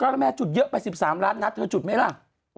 ขายเสื้อดีนะดิบขายได้วันละ๓๑๐ม